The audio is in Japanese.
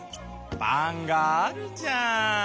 パンがあるじゃん。